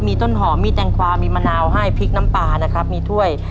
มีต้นหอมมีแตงกวามีมะนาวให้พริกน้ำปลานะครับมีถ้วย